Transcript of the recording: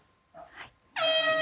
はい。